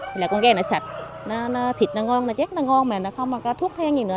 thì là con gà nó sạch thịt nó ngon nó chết nó ngon mà nó không có thuốc thang gì nữa